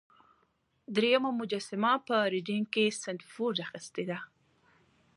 دریمه مجسمه په ریډینګ کې سنډفورډ اخیستې ده.